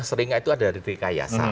sering itu ada dari trikayasa